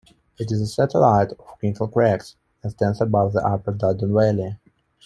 It is a satellite of Crinkle Crags and stands above the Upper Duddon Valley.